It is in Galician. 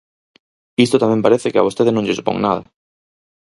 Isto tamén parece que a vostede non lle supón nada.